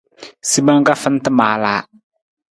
Simang ka fanta maalaa.